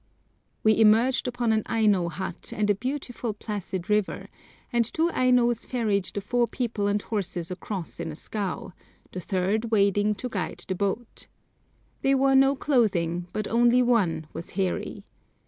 We emerged upon an Aino hut and a beautiful placid river, and two Ainos ferried the four people and horses across in a scow, the third wading to guide the boat. They wore no clothing, but only one was hairy.